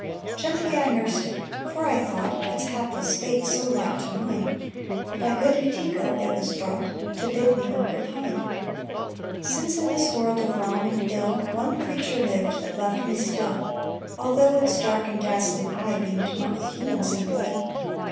"Gently I nursed it; for I thought (Its hapless fate so like to mine) By good UTÍKO it was brought To bid me not repine, Since in this world of wrong and ill One creature lived that loved me still, Although its dark and dazzling eye Beamed not with human sympathy.